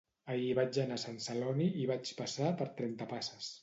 Ahir vaig anar a Sant Celoni i vaig passar per Trentapasses